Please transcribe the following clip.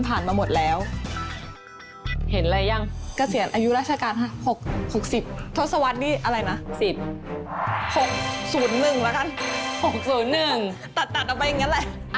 ตัดออกไปอย่างนี้แหละ